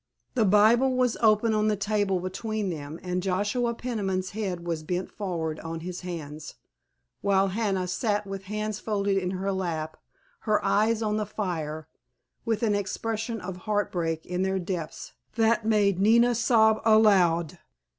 The Bible was open on the table between them, and Joshua Peniman's head was bent forward on his hands while Hannah sat with hands folded in her lap, her eyes on the fire, with an expression of heartbreak in their depths that made Nina sob aloud.